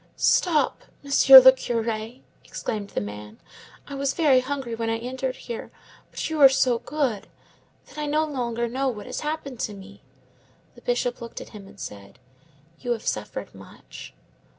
"Stop, Monsieur le Curé," exclaimed the man. "I was very hungry when I entered here; but you are so good, that I no longer know what has happened to me." The Bishop looked at him, and said,— "You have suffered much?"